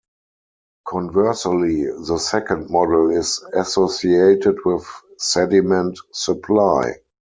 Conversely, the second model is associated with sediment supply.